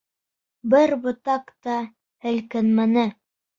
Бер ботаҡ та һелкенмәне.